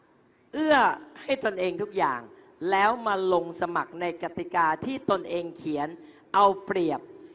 เพื่อเอื้อให้ตนเองทุกอย่างแล้วมาลงสมัครในกติกาที่ตนเองเขียนเอาเปรียบ